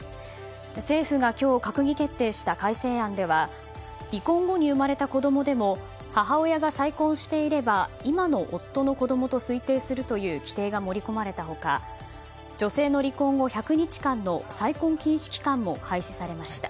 政府が今日閣議決定した改正案では離婚後に生まれた子供でも母親が再婚していれば今の夫の子供と推定するという規定が盛り込まれた他女性の離婚後１００日間の再婚禁止期間も廃止されました。